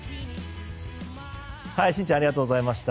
しんちゃんありがとうございました。